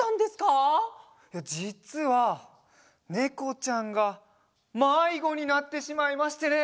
じつはねこちゃんがまいごになってしまいましてね。